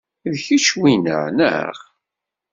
D kečč winna, neɣ?